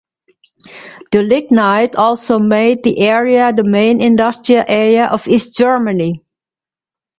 The lignite also made the area the main industrial area of East Germany.